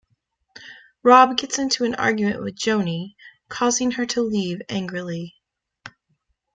Rob gets into an argument with Joanie, causing her to leave angrily.